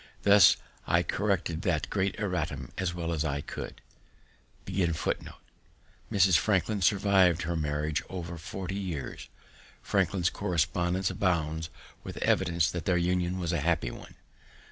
Thus I corrected that great erratum as well as I could. Mrs. Franklin survived her marriage over forty years. Franklin's correspondence abounds with evidence that their union was a happy one.